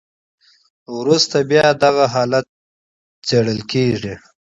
وروسته بیا دغه حالت تحلیلیږي.